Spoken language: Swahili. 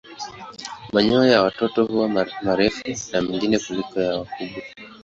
Manyoya ya watoto huwa marefu na mengi kuliko ya wakubwa.